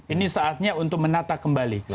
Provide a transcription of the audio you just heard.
ini saatnya untuk menata kembali